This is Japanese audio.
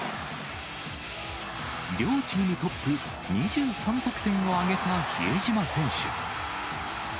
両チームトップ、２３得点を挙げた比江島選手。